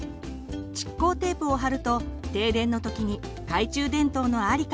蓄光テープを貼ると停電の時に懐中電灯の在りかが分かりますね。